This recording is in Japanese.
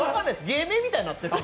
芸名みたいになってる。